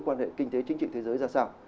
quan hệ kinh tế chính trị thế giới ra sao